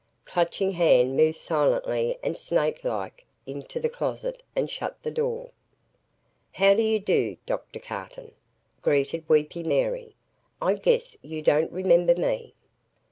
Clutching Hand moved silently and snake like into the closet and shut the door. "How do you do, Dr. Carton?" greeted "Weepy Mary." "I guess you don't remember me."